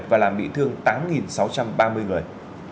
và làm bị thương tám sáu trăm ba mươi người